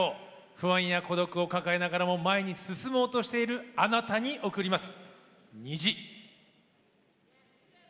不安や孤独を抱えながらも前に進もうとしているあなたに贈ります。